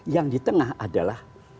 yang di tengah adalah